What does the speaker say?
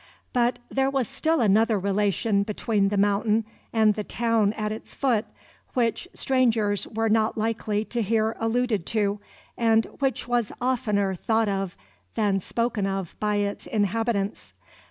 But there was still another relation between the mountain and the town at its foot, which strangers were not likely to hear alluded to, and which was oftener thought of than spoken of by its inhabitants.